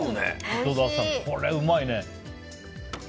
井戸田さん、これうまいね。